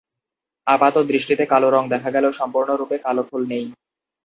আপাত দৃষ্টিতে কালো রঙ দেখা গেলেও সম্পূর্ণ রুপে কালো ফুল নেই।